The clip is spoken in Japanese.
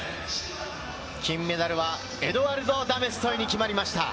金メダルはエドアルド・ダメストイに決まりました。